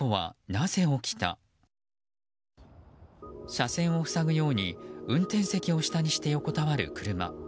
車線を塞ぐように運転席を下にして横たわる車。